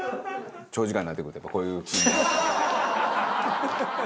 長時間になってくるとやっぱこういう。